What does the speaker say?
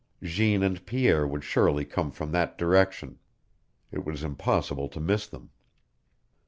Jeanne and Pierre would surely come from that direction. It was impossible to miss them.